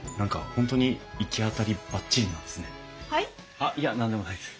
あっいや何でもないです。